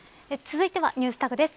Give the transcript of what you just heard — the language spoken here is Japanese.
続いてはＮｅｗｓＴａｇです。